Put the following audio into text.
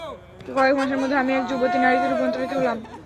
কয়েকমাসের মধ্যে আমি এক যুবতী নারীতে রূপান্তরিত হলাম।